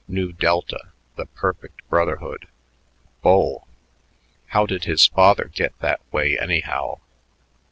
Nu Delta, the perfect brotherhood! Bull! How did his father get that way, anyhow?